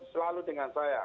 selalu dengan saya